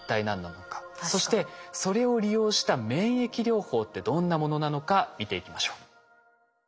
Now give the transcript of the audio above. そしてそれを利用した免疫療法ってどんなものなのか見ていきましょう。